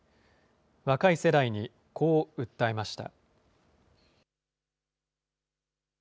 若い世代にこう訴えました。